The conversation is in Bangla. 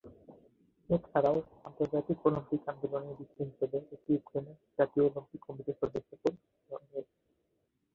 এছাড়াও আন্তর্জাতিক অলিম্পিক আন্দোলনের বিষয় হিসেবে এটির ইউক্রেনের জাতীয় অলিম্পিক কমিটির সদস্যপদ রয়েছে।